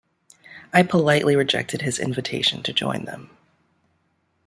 I politely rejected his invitation to join them.